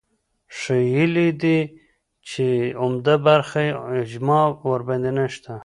ښييلي دي چې عمده برخه اجماع ورباندې نشته